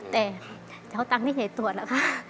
แต่จะเอาตังค์ที่ไหนตรวจแล้วค่ะ